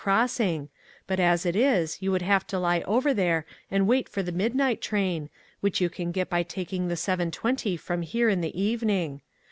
Crossing, but as it is, you would have to lie over there and wait for the midnight train, which you can get by taking the seven twenty from here in the evening.